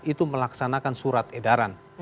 itu melaksanakan surat edaran